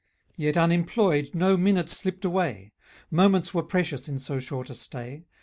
Yet unemployed no minute slipped away; Moments were precious in so short a stay.